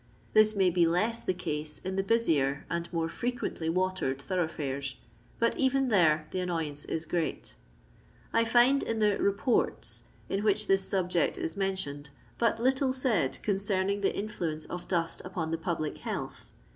This may be loss the case in the busier and more frequently watered thoroughfares, but even there the annoyance is great. I find in die " Reports" in which this subject is mentioned but little said concerning the in fluence of dust vpon the public health.